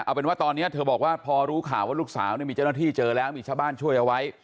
เอาเป็นว่าตอนนี้เธอบอกว่าพอรู้ข่าวว่าลูกสาวมีเจ้าหน้าที่เจอแล้วมีชาวบ้านช่วยเอาไว้